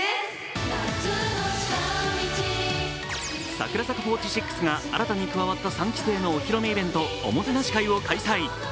櫻坂４６が、新たに加わった三期生のお披露目イベント、おもてなし会を開催。